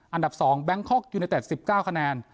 อันดับ๒แบงคอกยูเนเต็ด๑๙คะแนน